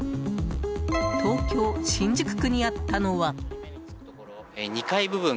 東京・新宿区にあったのは。